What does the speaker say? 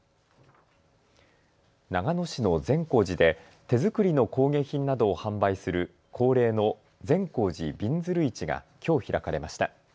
長野市の善光寺で手作りの工芸品などを販売する恒例の善光寺びんずる市がきょう開かれました。